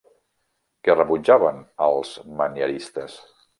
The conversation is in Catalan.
Què rebutjaven els manieristes?